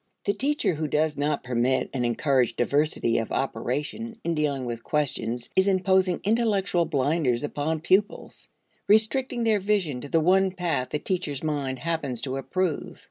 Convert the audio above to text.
The teacher who does not permit and encourage diversity of operation in dealing with questions is imposing intellectual blinders upon pupils restricting their vision to the one path the teacher's mind happens to approve.